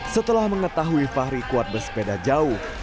setelah mengetahui fahri kuat bersepeda jauh